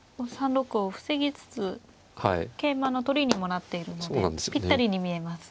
３六を防ぎつつ桂馬の取りにもなっているのでぴったりに見えます。